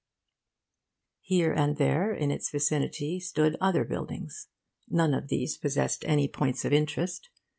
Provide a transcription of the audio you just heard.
Here and there in its vicinity stood other buildings. None of these possessed any points of interest.